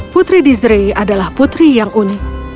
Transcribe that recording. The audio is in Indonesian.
putri dezrey adalah putri yang unik